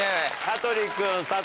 羽鳥君佐